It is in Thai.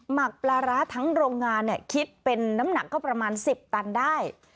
หมักปลาร้าทั้งโรงงานคิดเป็นน้ำหนักก็ประมาณ๑๐ตันได้